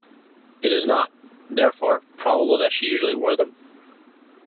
Is it not, therefore, probable that she usually wore them?